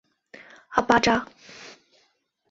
阿巴扎。